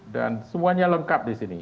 dan semuanya lengkap di sini